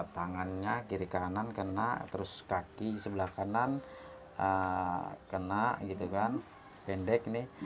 tangannya kiri kanan kena terus kaki sebelah kanan kena gitu kan pendek nih